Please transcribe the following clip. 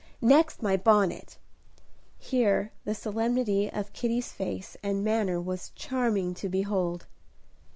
Next, my bonnet," here the solemnity of Kitty's face and manner was charming to behold.